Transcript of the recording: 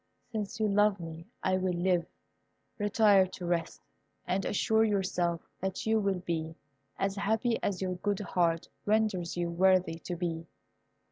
Since you love me I will live. Retire to rest, and assure yourself that you will be as happy as your good heart renders you worthy to be."